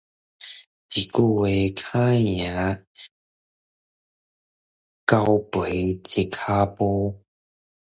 一句話，較贏交陪一跤步